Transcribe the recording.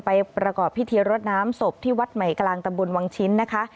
ประกอบพิธีรดน้ำศพที่วัดใหม่กลางตำบลวังชิ้นนะคะ